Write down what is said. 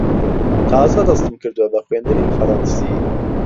تازە دەستم کردووە بە خوێندنی فەڕەنسی.